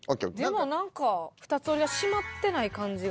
でも何か二つ折りが閉まってない感じが。